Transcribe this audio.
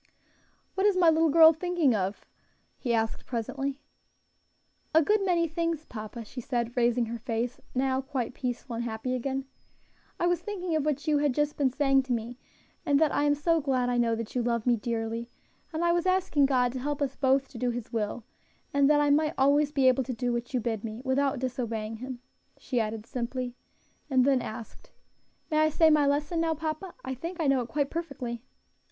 "What is my little girl thinking of?" he asked presently. "A good many things, papa," she said, raising her face, now quite peaceful and happy again. "I was thinking of what you had just been saying to me, and that I am so glad I know that you love me dearly; and I was asking God to help us both to do His will, and that I might always be able to do what you bid me, without disobeying Him," she added simply; and then asked, "May I say my lesson now, papa? I think I know it quite perfectly."